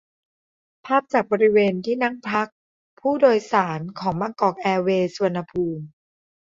ภาพจากบริเวณที่นั่งพักผู้โดยสารของบางกอกแอร์เวยส์ สุวรรณภูมิ